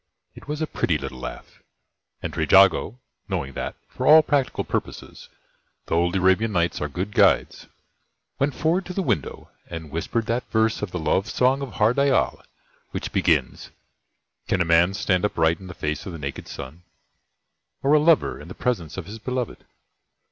It was a pretty little laugh, and Trejago, knowing that, for all practical purposes, the old Arabian Nights are good guides, went forward to the window, and whispered that verse of "The Love Song of Har Dyal" which begins: Can a man stand upright in the face of the naked Sun; or a Lover in the Presence of his Beloved?